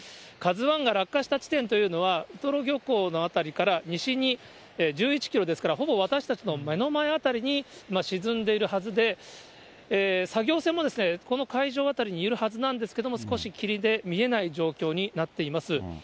ＫＡＺＵＩが落下した地点というのは、ウトロ漁港の辺りから西に１１キロですから、ほぼ私たちの目の前あたりに今沈んでいるはずで、作業船もこの海上辺りにいるはずなんですけれども、少し霧で見えない状況になっています。